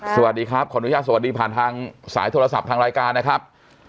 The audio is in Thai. สวัสดีครับขออนุญาตสวัสดีผ่านทางสายโทรศัพท์ทางรายการนะครับ